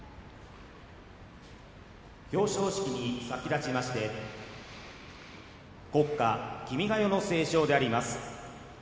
表彰式に先立ちまして国歌「君が代」の斉唱です。